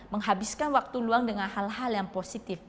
menghabiskan waktu luang dengan hal hal yang positif